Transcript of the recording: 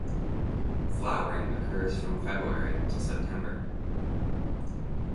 Flowering occurs from February to September.